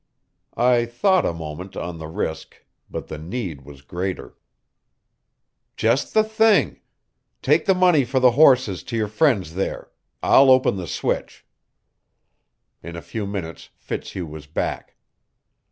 I thought a moment on the risk, but the need was greater. "Just the thing. Take the money for the horses to your friend there. I'll open the switch." In a few minutes Fitzhugh was back.